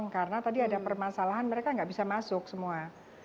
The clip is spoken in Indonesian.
karena tadi ada permasalahan mereka nggak bisa masuk semua